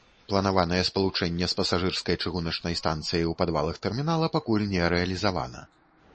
Планаванае спалучэнне з пасажырскай чыгуначнай станцыяй у падвалах тэрмінала пакуль не рэалізавана.